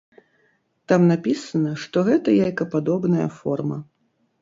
Там напісана, што гэта яйкападобная форма.